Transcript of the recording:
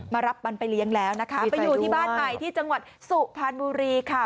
มารับมันไปเลี้ยงแล้วนะคะไปอยู่ที่บ้านใหม่ที่จังหวัดสุพรรณบุรีค่ะ